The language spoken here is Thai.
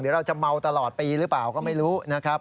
เดี๋ยวเราจะเมาตลอดปีหรือเปล่าก็ไม่รู้นะครับ